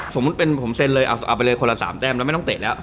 สมมุติเป็นผมเซ็นเลยเอาไปเลยคนละ๓แต้มแล้วไม่ต้องเตะแล้ว